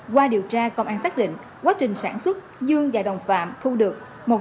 qua điều tra công an xác định quá trình sản xuất dương và đồng phạm thu được